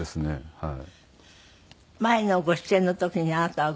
はい。